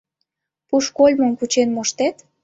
Пушкольмым кучен моштет?